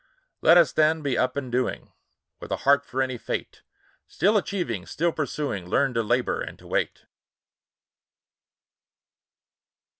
Let us, then, be up and doing, With a heart for any fate ; Still achieving, still pursuing, Learn to labor and to wait.